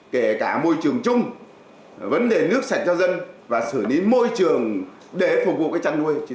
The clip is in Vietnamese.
kể cả môi trường chung vấn đề nước sạch cho dân và xử lý môi trường để phục vụ chăn nuôi